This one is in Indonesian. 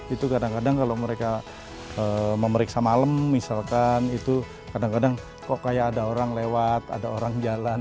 itu kadang kadang kalau mereka memeriksa malam misalkan itu kadang kadang kok kayak ada orang lewat ada orang jalan